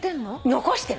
残してる。